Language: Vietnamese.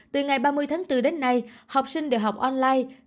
từ ngày ba mươi tháng bốn đến nay học sinh đều học online